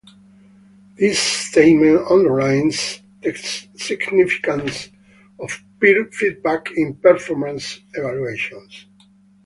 This statement underlines the significance of peer feedback in performance evaluations.